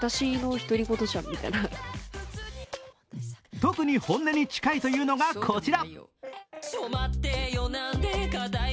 特に本音に近いというのがこちら。